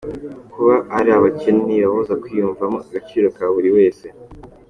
Kuba ari abakene ntibibabuza kwiyumvamo agciro ka buri wese.